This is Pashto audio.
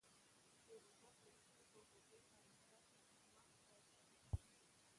پېروزه ، تلوسه ، تورپيکۍ ، تالنده ، تمامه ، تاتره ،